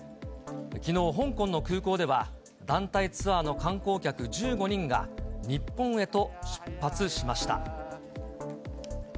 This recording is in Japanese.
きのう、香港の空港では、団体ツアーの観光客１５人が、日本へと出発しました。